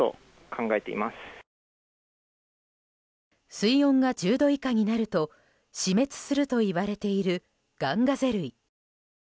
水温が１０度以下になると死滅するといわれているガンガゼ類。